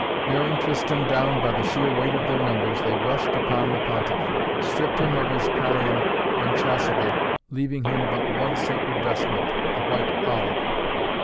Bearing Tristan down by the sheer weight of their numbers, they rushed upon the Pontiff, stripped him of his pallium and chasuble, leaving him but one sacred vestment, the white albe.